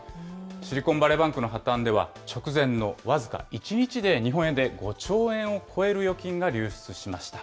シリコンバレーバンクの破綻では、直前の僅か１日で日本円で５兆円を超える預金が流出しました。